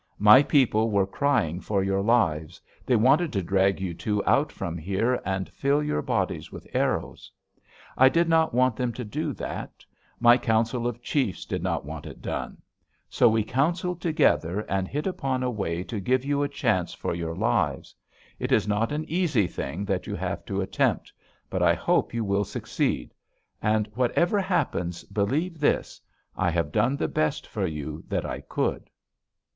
My people were crying for your lives; they wanted to drag you two out from here and fill your bodies with arrows. I did not want them to do that; my council of chiefs did not want it done; so we counseled together and hit upon a way to give you a chance for your lives. It is not an easy thing that you have to attempt, but I hope you will succeed. And, whatever happens, believe this: I have done the best for you that I could!'